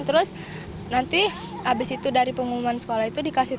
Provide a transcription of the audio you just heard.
terus nanti abis itu dari pengumuman sekolah itu dikasih